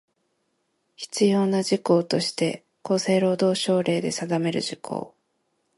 必要な事項として厚生労働省令で定める事項